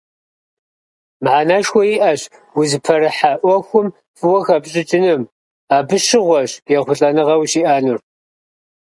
Мыхьэнэшхуэ иӀэщ узыпэрыхьэ Ӏуэхум фӀыуэ хэпщӀыкӀыным, абы щыгъуэщ ехъулӀэныгъэ ущиӀэнур.